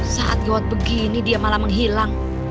saat gawat begini dia malah menghilang